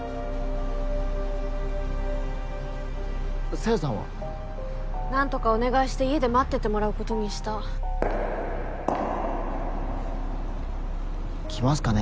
紗世さんは？何とかお願いして家で待っててもらうことにした。来ますかね？